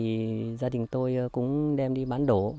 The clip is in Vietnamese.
thì gia đình tôi cũng đem đi bán đổ